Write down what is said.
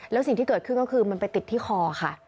แล้วสิ่งที่เกิดขึ้นก็คือมันไปติดที่คอค่ะ